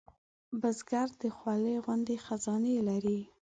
بزګر د خولې غوندې خزانې لري